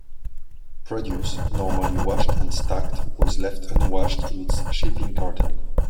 Produce, normally washed and stacked, was left unwashed in its shipping carton.